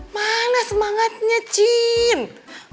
mana semangatnya cinta